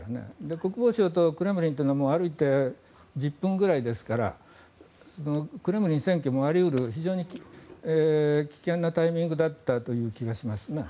国防省とクレムリンというのは歩いて１０分ぐらいですからクレムリン占拠もあり得る非常に危険なタイミングだった気がしますね。